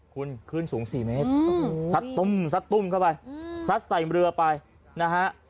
คุณขึ้นสูง๔เมตรซัดตุ้มซัดตุ้มเข้าไปซัดใส่เรือไปนะฮะ